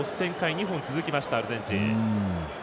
２本続いた、アルゼンチン。